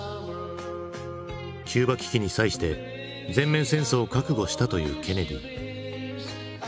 キューバ危機に際して全面戦争を覚悟したというケネディ。